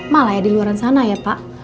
malah ya di luar sana ya pak